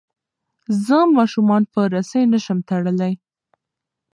زه ماشومان په رسۍ نه شم تړلی.